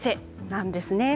なんですね。